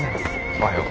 おはよう。